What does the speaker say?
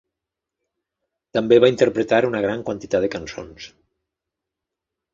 També va interpretar una gran quantitat de cançons.